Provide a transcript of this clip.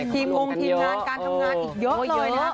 ทีมงงทีมงานการทำงานอีกเยอะเลยนะครับ